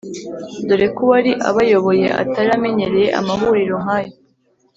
dore ko uwari abayoboye atari amenyereye amahuriro nkayo.